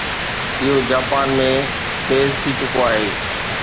اهو جاپان ۾ تيز ٿي چڪو آهي